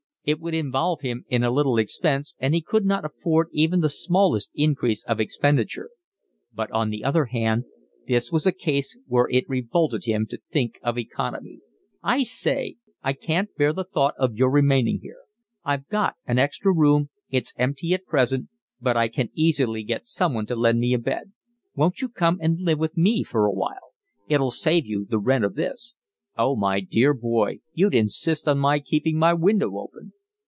It would involve him in a little expense and he could not afford even the smallest increase of expenditure; but on the other hand this was a case where it revolted him to think of economy. "I say, I can't bear the thought of your remaining here. I've got an extra room, it's empty at present, but I can easily get someone to lend me a bed. Won't you come and live with me for a while? It'll save you the rent of this." "Oh, my dear boy, you'd insist on my keeping my window open."